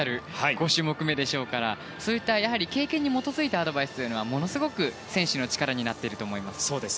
５種目めでしょうからそういった経験に基づいたアドバイスというのはものすごく選手の力になっていると思います。